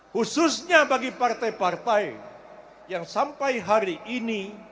khususnya bagi partai partai yang sampai hari ini